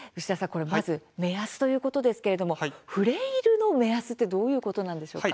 これまず目安ということですけれどもフレイルの目安ってどういうことなんでしょうか？